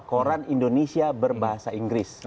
koran indonesia berbahasa inggris